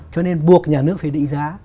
cho nên buộc nhà nước phải định giá